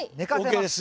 ＯＫです